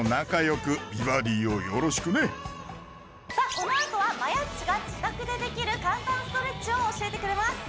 このあとはマヤっちが自宅でできる簡単ストレッチを教えてくれます